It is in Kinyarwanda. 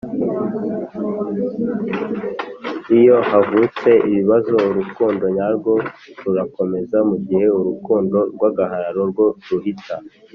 Iyo havutse ibibazo urukundo nyarwo rurakomeza mu gihe urukundo rw agahararo rwo ruhita